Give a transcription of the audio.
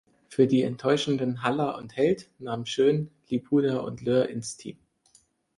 Für die enttäuschenden Haller und Held nahm Schön Libuda und Löhr ins Team.